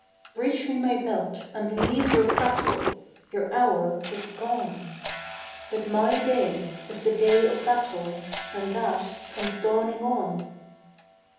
"Reach me my belt and leave your prattle: Your hour is gone; But my day is the day of battle, And that comes dawning on.